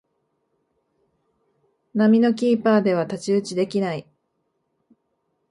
並みのキーパーでは太刀打ちできない